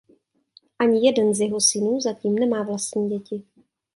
Ani jeden z jeho synů zatím nemá vlastní děti.